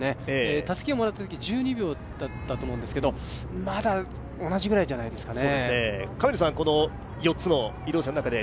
たすきをもらったとき１２秒だったと思うんですけれども、まだ同じくらいじゃないですかね。